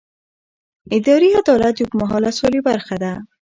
اداري عدالت د اوږدمهاله سولې برخه ده